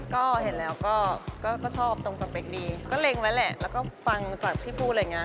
ก็เห็นแล้วก็ก็ชอบตรงสเปคดีก็เล็งไว้แหละแล้วก็ฟังจากพี่บูธอะไรอย่างเงี้